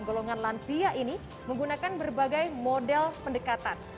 golongan lansia ini menggunakan berbagai model pendekatan